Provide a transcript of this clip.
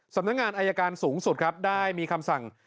สำนักงานอายการสูงสุดครับได้มีคำสั่ง